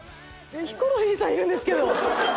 ヒコロヒーさんいるんですけど！